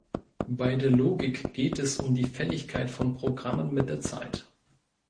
Bei der Logik geht es um die Fälligkeit von Programmen mit der Zeit.